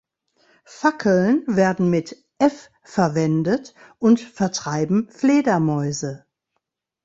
Fackeln werden mit „F“ verwendet und vertreiben Fledermäuse.